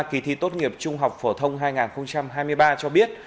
kỳ thi tốt nghiệp trung học phổ thông hai nghìn hai mươi ba cho biết